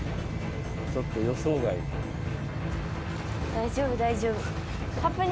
大丈夫大丈夫。